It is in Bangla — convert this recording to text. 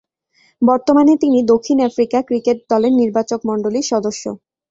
বর্তমানে তিনি দক্ষিণ আফ্রিকা ক্রিকেট দলের নির্বাচকমণ্ডলীর সদস্য।